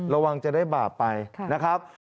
ระวังจะได้บาปไปนะครับ